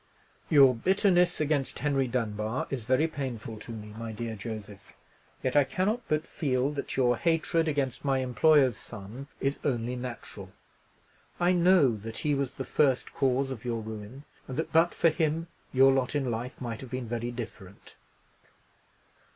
_"Your bitterness against Henry Dunbar is very painful to me, my dear Joseph; yet I cannot but feel that your hatred against my employer's son is only natural. I know that he was the first cause of your ruin; and that, but for him, your lot in life might have been very different.